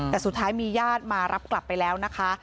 แต่สุดท้ายมีญาติมารับกลับไปแล้วนะคะ